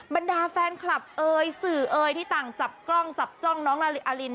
บรรดาแฟนคลับเอ่ยสื่อเอยที่ต่างจับกล้องจับจ้องน้องลาลิอาริน